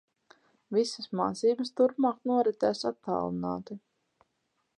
Visas mācības turpmāk noritēs attālināti.